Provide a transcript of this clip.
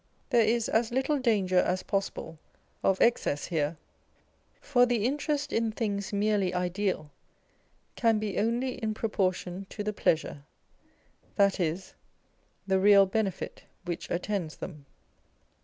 There is as little danger as possible of excess here ; for the interest in things merely ideal can be only in proportion to the pleasure, that is, the real benefit which attends them.